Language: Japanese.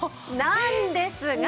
「なんですが」？